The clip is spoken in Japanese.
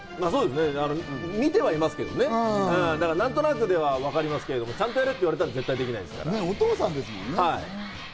そうですね、見てはいますけど、何となくわかりますけど、ちゃんとやれって言われたらできお父さんですもんね。